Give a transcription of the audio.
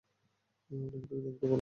আপনি একটু দেখলে ভালো হয়।